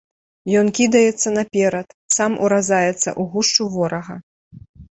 Ён кідаецца наперад, сам уразаецца ў гушчу ворага.